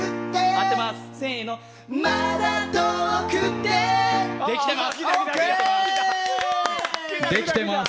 合ってます。